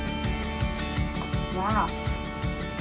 わあ！